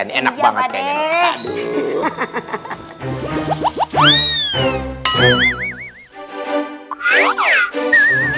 ini enak banget kayaknya